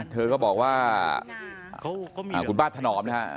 เธอก็บอกว่าอาหารกุฎบาทถนอมนะครับ